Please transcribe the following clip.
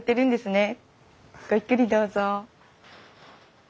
ごゆっくりどうぞ。